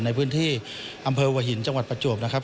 ในพื้นที่อำเภอวัหินประจวบ